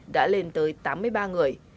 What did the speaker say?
đã lên tới tám mươi ba người